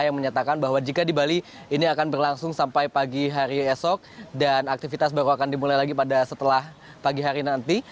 yang menyatakan bahwa jika di bali ini akan berlangsung sampai pagi hari esok dan aktivitas baru akan dimulai lagi pada setelah pagi hari nanti